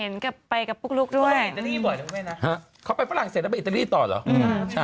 เห็นไปกับพุกลูกด้วยนะครับฮะเขาไปฝรั่งเศสแล้วไปอิตาลีต่อหรอ